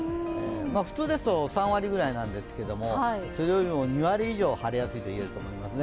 普通ですと３割くらいなんですがそれよりも２割以上晴れやすいと言えると思いますね。